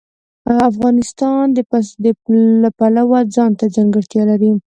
افغانستان د پسه د پلوه ځانته ځانګړتیا لري.